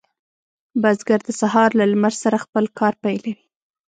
بزګر د سهار له لمر سره خپل کار پیلوي.